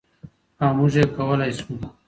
او موږ يې کولای شو.